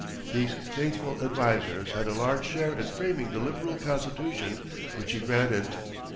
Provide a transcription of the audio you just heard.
These faithful advisers had a large share in framing the liberal constitution which he granted.